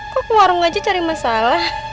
kok ke warung aja cari masalah